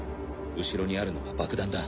後ろにあるのは爆弾だ。